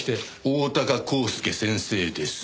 大鷹公介先生です。